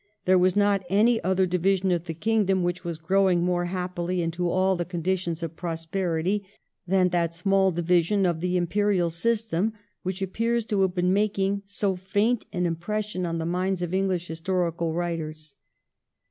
There was not any other division of the kingdom which was growing more happily into all the conditions of prosperity than that small division of the imperial system which appears to have been making so faint an impression on the minds of English historical writers.